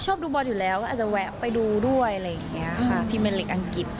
ชอบดูบอลอยู่แล้วก็อาจจะแวะไปดูด้วยอะไรอย่างเงี้ยค่ะพรีเมนลิกอังกฤษ